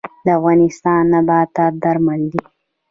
د افغانستان نباتات درمل دي